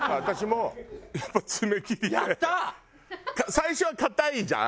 最初は硬いじゃん。